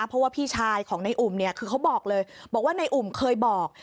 เพราะว่าพี่ชายของในอุ่มเนี่ยคือเขาบอกเลยบอกว่าในอุ่มเคยบอก